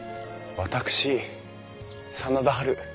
私真田ハル